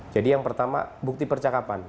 jadi yang pertama bukti percakapan